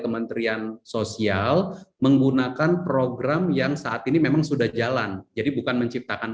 kementerian sosial menggunakan program yang saat ini memang sudah jalan jadi bukan menciptakan